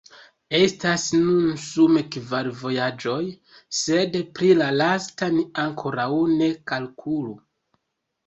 Estas nun sume kvar vojaĝoj, sed pri la lasta ni ankoraŭ ne kalkulu.